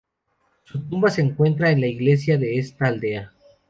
Su tumba se encuentra en la iglesia de esta aldea.